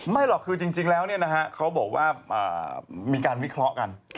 หรอกคือจริงแล้วเขาบอกว่ามีการวิเคราะห์กัน